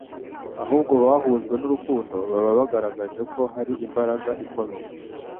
ahubwo bahujwe n'urukundo, baba bagaragaje ko hari imbaraga ikomeye